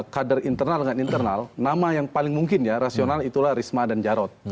kader internal dengan internal nama yang paling mungkin ya rasional itulah risma dan jarot